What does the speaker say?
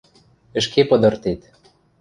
— Ӹшке пыдыртет...